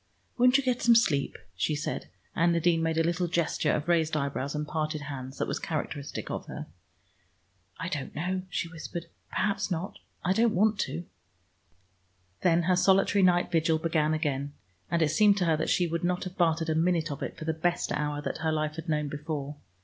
"Won't you get some sleep?" she said, and Nadine made a little gesture of raised eyebrows and parted hands that was characteristic of her. "I don't know," she whispered. "Perhaps not. I don't want to." Then her solitary night vigil began again, and it seemed to her that she would not have bartered a minute of it for the best hour that her life had known before.